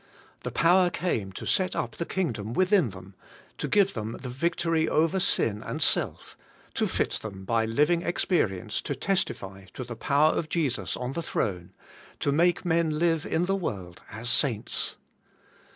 The power came to set up the kingdom within them, to give them the victory over sin and self, to fit them by living experience to testify to the power of Jesus on the throne, to make men live in the world as saints.